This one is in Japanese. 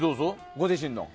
ご自身の。